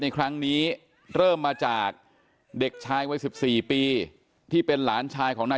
ในครั้งนี้เริ่มมาจากเด็กชายวัย๑๔ปีที่เป็นหลานชายของนาย